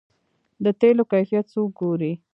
د تیلو کیفیت څوک ګوري؟